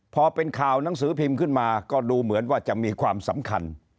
พอเป็นข่าวหนังสือพิมพ์ขึ้นมาก็ดูเหมือนว่าจะมีความสำคัญ